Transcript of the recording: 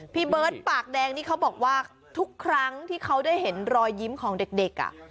พี่เบิร์ตปากแดงนี่เขาบอกว่าทุกครั้งที่เขาได้เห็นรอยยิ้มของเด็ก